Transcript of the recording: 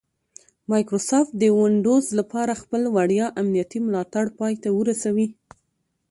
مایکروسافټ د ونډوز لپاره خپل وړیا امنیتي ملاتړ پای ته ورسوي